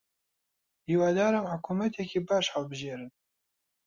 هیوادارم حکوومەتێکی باش هەڵبژێرن.